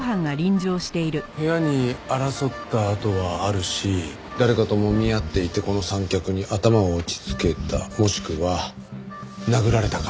部屋に争った跡があるし誰かともみ合っていてこの三脚に頭を打ちつけたもしくは殴られたか。